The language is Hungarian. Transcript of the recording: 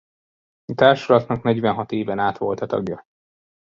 A társulatnak negyvenhat éven át volt a tagja.